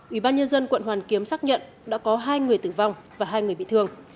ủy ban nhân dân quận hoàn kiếm xác nhận đã có hai người tử vong và hai người bị thương